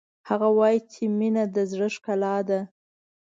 هغوی وایي چې مینه د زړه ښکلا ده